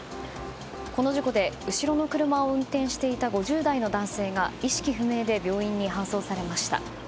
この事故で後ろの車を運転していた５０代の男性が意識不明で病院に搬送されました。